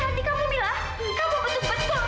kamu betul betul keterlaluan